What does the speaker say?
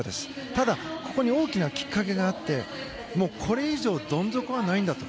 ただ、ここに大きなきっかけがあってこれ以上どん底はないんだと。